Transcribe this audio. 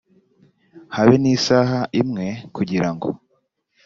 habe n isaha imwe kugira ngo